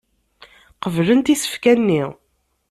Qeblent isefka-nni.